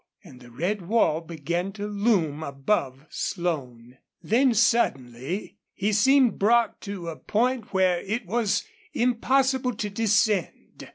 And the red wall began to loom above Slone. Then suddenly he seemed brought to a point where it was impossible to descend.